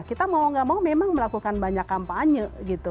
kita mau gak mau memang melakukan banyak kampanye gitu